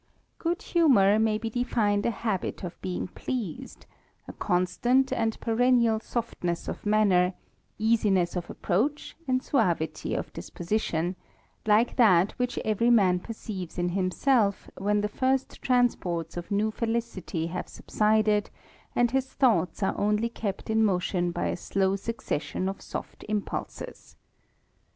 1 H umour inky ^bejjefJhed ii habit of beic^ pleased j* a constaSS^and perennial softness of manner, easiness of T^roach, an3 suavity of disposition ; Eke tibat which every man perceives in himself, when the first transports of new felicity have subsided, and Jig ^ thoughts, arr nnly krpf fn motipn"^yTi>^low,silCC£ §sion ofs oft impulses.